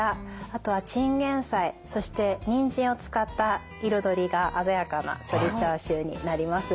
あとはチンゲンサイそしてニンジンを使った彩りが鮮やかな鶏チャーシューになります。